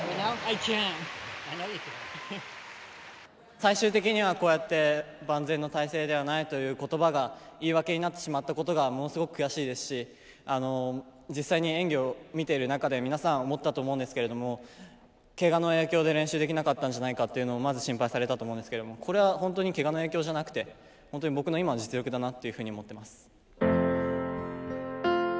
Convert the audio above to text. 最終的にはこうやって万全の態勢ではないという言葉が言い訳になってしまったことがものすごく悔しいですしあの実際に演技を見てる中で皆さん思ったと思うんですけれどもけがの影響で練習できなかったんじゃないかっていうのをまず心配されたと思うんですけれどもこれは本当にけがの影響じゃなくて本当に僕の今の実力だなっていうふうに思ってます。